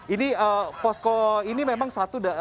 ini posko ini memang satu